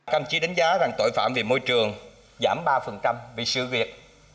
công chí đánh giá rằng tội phạm về môi trường giảm ba vì sự việc